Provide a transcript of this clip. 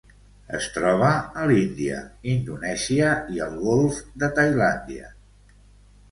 Es troba a l'Índia, Indonèsia i el golf de Tailàndia.